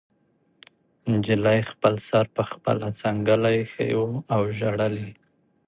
نجلۍ خپل سر په خپله څنګله ایښی و او ژړل یې